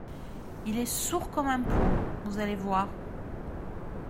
Il est sourd comme un pot… vous allez voir…